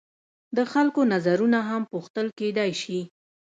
د خلکو نظرونه هم پوښتل کیدای شي.